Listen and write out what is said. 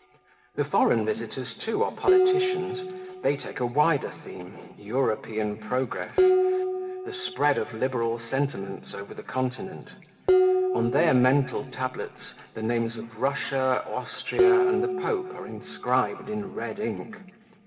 The foreign visitors, too, are politicians; they take a wider theme European progress the spread of liberal sentiments over the Continent; on their mental tablets, the names of Russia, Austria, and the Pope, are inscribed in red ink.